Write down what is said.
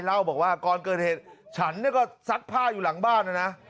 เล่าบอกว่าก่อนเกิดเหตุฉันเนี่ยก็ซักผ้าอยู่หลังบ้านนะนะ